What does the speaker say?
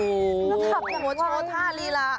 แสงหโวช้าท่ารีละ